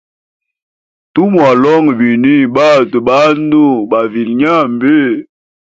Tumwalonga bini batwe bandu bavilye nyambi.